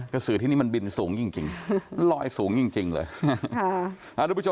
สือที่นี่มันบินสูงจริงลอยสูงจริงเลย